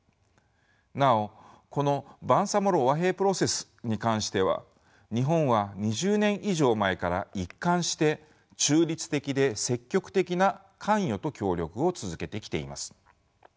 なおこのバンサモロ和平プロセスに関しては日本は２０年以上前から一貫して中立的で積極的な関与と協力を続けてきています。